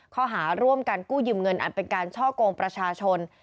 ข้อหาร่วมกันกู้ยืมเงินอันเป็นการช่อกงประชาชน